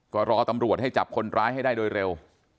ก็รอตำรวจให้จับคนร้ายให้ได้โดยเร็ว